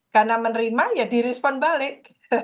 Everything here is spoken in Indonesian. karena menerima ya di respon balik